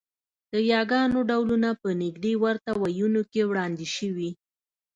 د یاګانو ډولونه په نږدې ورته وییونو کې وړاندې شوي